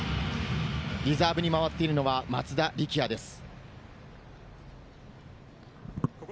リザーブに回っているのは松田力也です。